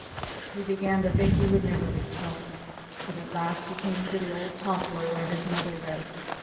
He began to think he would never reach home. But at last he came to the old poplar where his mother lived.